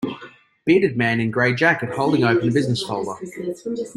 bearded man in gray jacket holding open a business folder